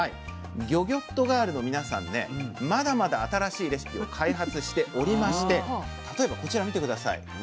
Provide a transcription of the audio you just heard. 魚魚っとガールの皆さんねまだまだ新しいレシピを開発しておりまして例えばこちら見て下さい。